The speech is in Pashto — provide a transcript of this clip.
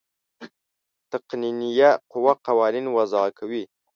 تقنینیه قوه قوانین وضع کوي.